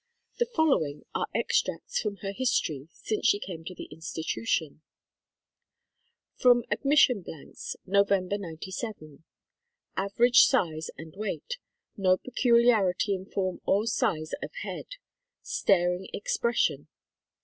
The following are extracts from her history since she came to the Institution : From Admission Blanks, Nov. '97. Average size and weight. No peculiarity in form or size of head. Staring expression.